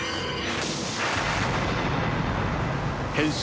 変身。